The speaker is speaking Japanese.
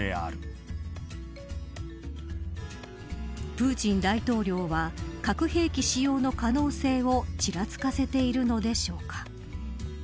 プーチン大統領は核兵器使用の可能性をちらつかせているのでしょうか。